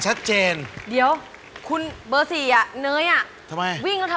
หมายเลข๓ที่คุณเสเพเลือกจะได้ของอะไรกันนะ